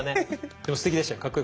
でもすてきでしたよ。